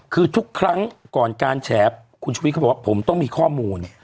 คือทุกครั้งก่อนการแฉคุณชุวิตเขาบอกว่าผมต้องมีข้อมูล